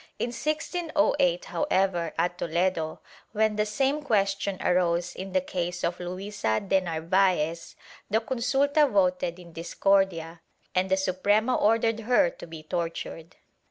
In 1608, however, at Toledo, when the same question arose in the case of Luisa de Narvaez, the consulta voted in discordia and the Suprema ordered her to be tortured.